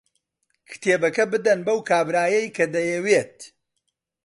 کتێبەکە بدەن بەو کابرایەی کە دەیەوێت.